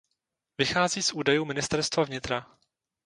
Vychází z údajů ministerstva vnitra.